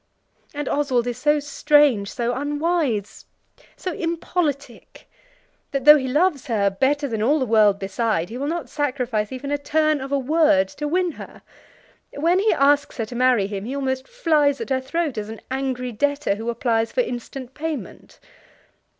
And Oswald is so strange, so unwise, so impolitic, that though he loves her better than all the world beside, he will not sacrifice even a turn of a word to win her. When he asks her to marry him, he almost flies at her throat, as an angry debtor who applies for instant payment.